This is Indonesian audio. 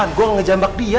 gue nggak ngejambak dia